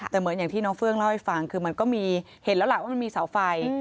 แต่เหมือนอย่างที่น้องเฟื้องเล่าให้ฟังคือมันก็มีเห็นแล้วล่ะว่ามันมีเสาไฟ